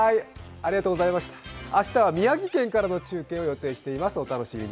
明日は宮城県からの中継を予定しています、お楽しみに。